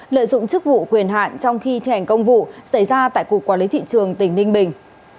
lợi dụng chức vụ quyền hạn trong khi thi hành công vụ xảy ra tại cục quản lý thị trường tỉnh ninh bình